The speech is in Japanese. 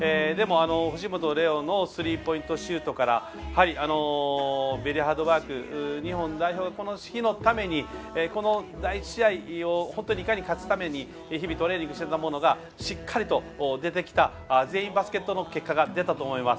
でも、藤本怜央のスリーポイントシュートからベリーハードワーク日本代表は、この試合のためにこの第１試合を本当にいかに勝つために日々トレーニングしてたものがしっかりと出てきた全員バスケットの結果が出たと思います。